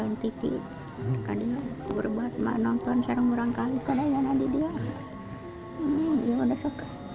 kalau kita tidak menonton kita tidak bisa menonton